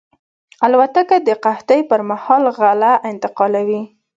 الوتکه د قحطۍ پر مهال غله انتقالوي.